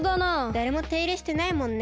だれもていれしてないもんね。